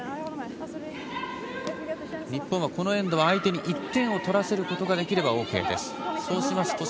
日本はこのエンド、相手に１点を取らせることができればＯＫです。